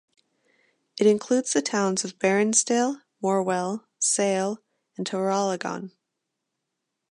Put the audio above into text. It includes the towns of Bairnsdale, Morwell, Sale and Traralgon.